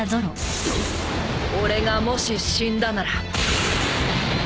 「俺がもし死んだなら」